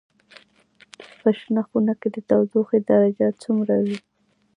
په شنه خونه کې د تودوخې درجه څومره وي؟